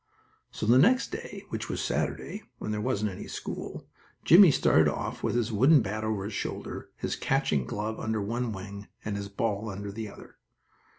So the next day, which was Saturday, when there wasn't any school, Jimmie started off with his wooden bat over his shoulder, his catching glove under one wing and his ball under the other.